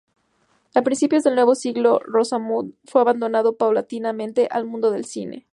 A principios del nuevo siglo Rosamund fue abandonando paulatinamente el mundo del cine.